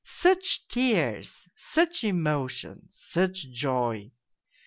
. Such tears, such emotion, such joy